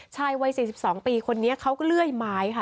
ชายวัย๔๒ปีคนนี้เขาก็เลื่อยไม้ค่ะ